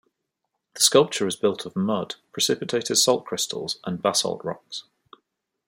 The sculpture is built of mud, precipitated salt crystals, and basalt rocks.